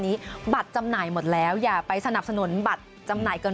นี้บัตรจำหน่ายหมดแล้วอย่าไปสนับสนุนบัตรจำหน่ายเกิน